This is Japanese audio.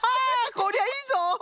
こりゃいいぞ！